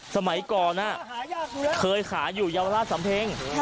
สมัยก่อนเคยขายอยู่เยาวราชสำเพ็ง